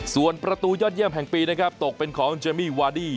ส่วนประตูยอดเยี่ยมแห่งปีนะครับตกเป็นของเจมมี่วาดี้